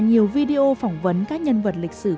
nhiều video phỏng vấn các nhân vật lịch sử